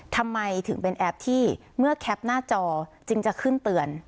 ทำไมถึงเป็นแอปที่เมื่อแคปหน้าจอจึงจะขึ้นเตือน